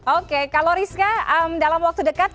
oke kalau rizka dalam waktu dekat